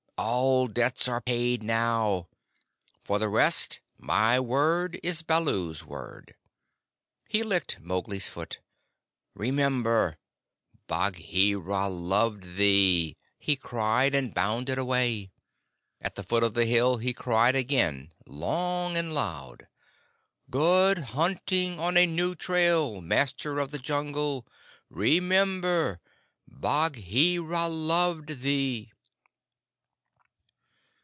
All debts are paid now. For the rest, my word is Baloo's word." He licked Mowgli's foot. "Remember, Bagheera loved thee," he cried and bounded away. At the foot of the hill he cried again long and loud, "Good hunting on a new trail, Master of the Jungle! Remember, Bagheera loved thee."